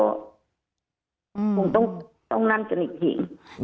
คงต้องนั่นกันอีกที